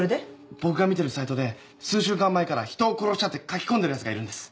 僕が見てるサイトで数週間前から人を殺したって書き込んでるやつがいるんです。